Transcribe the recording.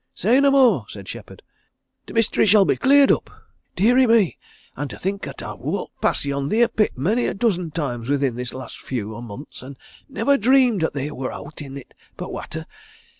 "Say no more!" said Shepherd. "T' mystery shall be cleared up. Deary me! An' to think 'at I've walked past yon theer pit many a dozen times within this last few o' months, and nivver dreamed 'at theer wor owt in it but watter!